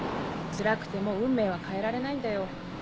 つらくても運命は変えられないんだよ。